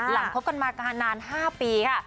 หลังครบกันมากันมานาน๕ปีค่ะ